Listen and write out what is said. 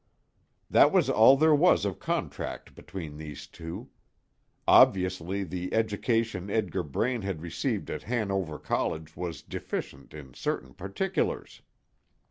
That was all there was of contract between these two. Obviously the education Edgar Braine had received at Hanover College was deficient in certain particulars.